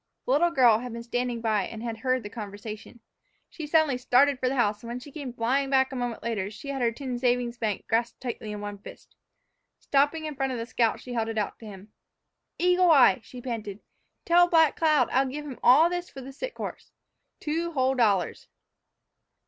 The little girl had been standing by and had heard the conversation. She suddenly started for the house, and, when she came flying back a moment later, she had her tin savings bank grasped tightly in one fist. Stopping in front of the scout, she held it out to him. "Eagle Eye," she panted, "tell Black Cloud I'll give him all this for the sick horse two whole dollars."